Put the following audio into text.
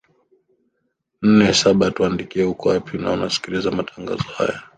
nne saba tuandikie uko wapi na unasikiliza matangazo haya